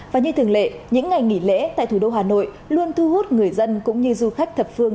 và như thường lệ những ngày nghỉ lễ tại thủ đô hà nội luôn thu hút người dân cũng như du khách thập phương